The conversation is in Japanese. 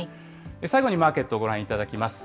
最後にマーケットをご覧いただきます。